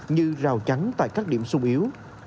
như rào trắng tại các điểm sung yếu